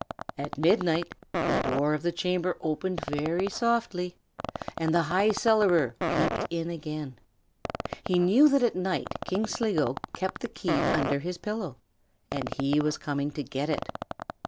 At midnight the door of the chamber opened very softly, and the High Cellarer peeped in again. He knew that at night King Sligo kept the key under his pillow, and he was coming to get it.